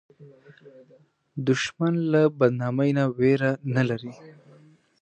دښمن له بدنامۍ نه ویره نه لري